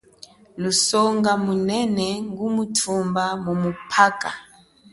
Lusonga munene ngumuthumba mumuphaka.